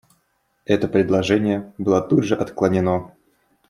Это предложение было тут же отклонено.